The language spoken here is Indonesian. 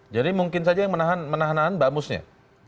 jadi mungkin saja yang menahan bamusnya